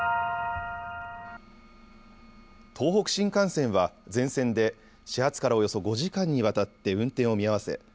東北新幹線は全線で始発からおよそ５時間にわたって運転を見合わせ